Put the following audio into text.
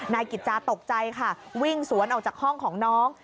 นายกิจจาตกใจค่ะวิ่งสวนออกจากห้องของน้อง